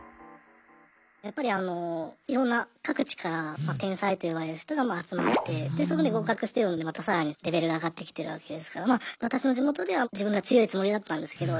やっぱりいろんな各地から天才と呼ばれる人が集まってそこで合格してるのでまた更にレベルが上がってきてるわけですから私の地元では自分が強いつもりだったんですけど